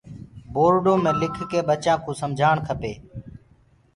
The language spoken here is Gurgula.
پورڊو مي لِک لي ٻچآ ڪو سمجهآڻ کپي۔